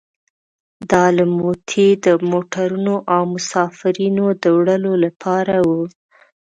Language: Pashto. دا لوموتي د موټرونو او مسافرینو د وړلو لپاره وو.